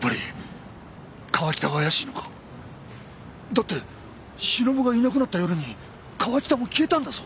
だって忍がいなくなった夜に川喜多も消えたんだぞ。